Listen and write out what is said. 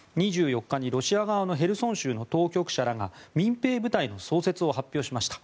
２４日にロシア側のヘルソン州の当局者らが民兵部隊の創設を発表しました。